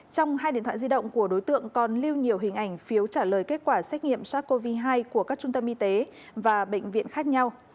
trong hai điện thoại di động của đối tượng còn lưu nhiều hình ảnh phiếu trả lời kết quả xét nghiệm sars cov hai của các trung tâm y tế và bệnh viện khác nhau